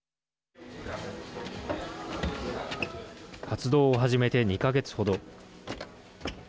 活動を始めて２か月ほど。